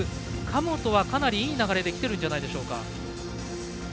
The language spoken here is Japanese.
神本は、かなりいい流れできているんじゃないでしょうか。